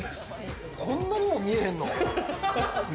こんなにも見えへんの？